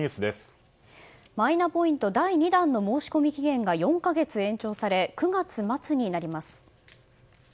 マイナポイント第２弾の申込期限が４か月延長され９月末になります。